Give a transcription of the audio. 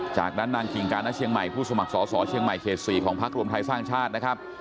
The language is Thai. จากนั้นนางคิงกาณเชียงใหม่ผู้สมัครสอสอเชียงใหม่เขต๔ของพักรวมไทยสร้างชาตินะครับ